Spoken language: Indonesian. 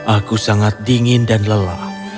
aku sangat dingin dan lelah